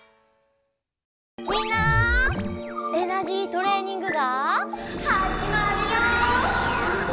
エナジートレーニングがはじまるよ！